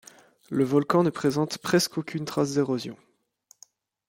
Le volcan ne présente presque aucune trace d'érosion.